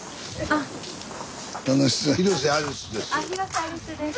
あ広瀬アリスです。